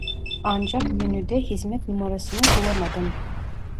Ancak menüde hizmet numarasını bulamadım